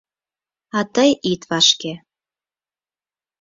— А тый ит вашке.